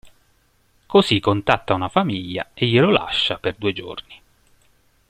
Così contatta una famiglia e glielo lascia per due giorni.